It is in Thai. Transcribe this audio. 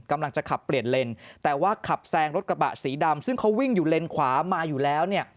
กำลังจะขับเปลี่ยนเลนแต่ว่าขับแซงรถกระบะสีดำซึ่งเขาวิ่งอยู่เลนขวามาอยู่แล้วเนี่ย